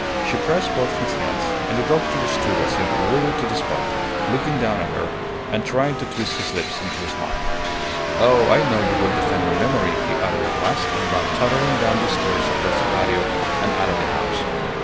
She pressed both his hands, and the doctor stood as if rooted to the spot, looking down at her, and trying to twist his lips into a smile. "Oh, I know you will defend my memory," he uttered at last, and ran tottering down the stairs across the patio, and out of the house.